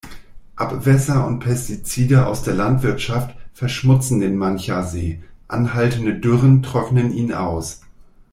Abwässer und Pestizide aus der Landwirtschaft verschmutzen den Manchar-See, anhaltende Dürren trocknen ihn aus.